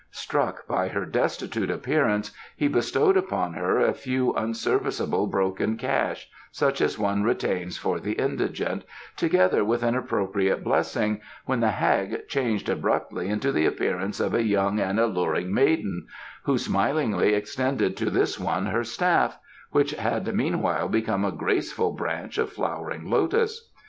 Struck by her destitute appearance he bestowed upon her a few unserviceable broken cash, such as one retains for the indigent, together with an appropriate blessing, when the hag changed abruptly into the appearance of a young and alluring maiden, who smilingly extended to this one her staff, which had meanwhile become a graceful branch of flowering lotus.